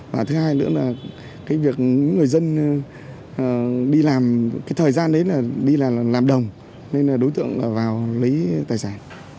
và thứ hai nữa là cái việc người dân đi làm cái thời gian đấy là đi là làm đồng nên là đối tượng vào lấy tài sản